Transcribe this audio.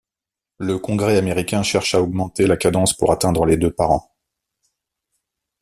Le Congrès américain cherche à augmenter la cadence pour atteindre les deux par an.